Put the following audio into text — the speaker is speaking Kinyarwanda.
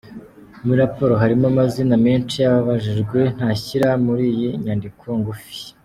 Muri raporo harimo amazina menshi y’ababajijwe ntashyira muri iyi nyandiko ngufi.